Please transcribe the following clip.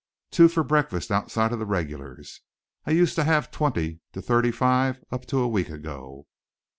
"Two for breakfast outside of the regulars. I used to have twenty to thirty five up to a week ago."